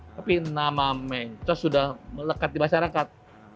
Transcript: tapi nama mencos sudah melekat di masyarakat